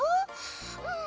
うん。